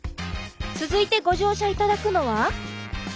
続いてご乗車頂くのは？